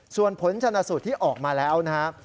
ส่วนผลชนะสุดที่ออกมาแล้วนะฮะ